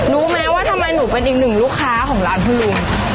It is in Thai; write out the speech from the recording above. รู้ไหมว่าทำไมหนูเป็นอีกหนึ่งลูกค้าของร้านคุณลุง